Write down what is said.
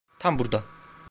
Tam burada.